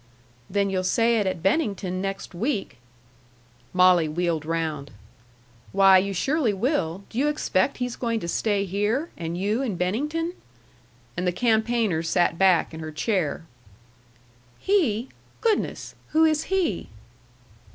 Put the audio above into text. "Then you'll say it at Bennington next week." Molly wheeled round. "Why, you surely will. Do you expect he's going to stay here, and you in Bennington?" And the campaigner sat back in her chair. "He? Goodness! Who is he?"